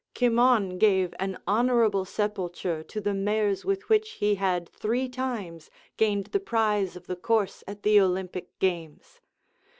Cimon gave an honourable sepulture to the mares with which he had three times gained the prize of the course at the Olympic Games.